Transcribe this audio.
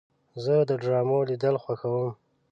زه د ډرامو لیدل خوښوم.